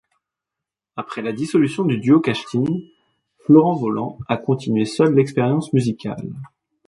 Après la dissolution du duo Kashtin, Florent Vollant a continué seul l'expérience musicale.